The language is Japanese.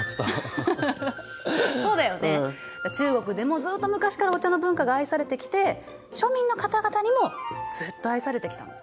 中国でもずっと昔からお茶の文化が愛されてきて庶民の方々にもずっと愛されてきたの。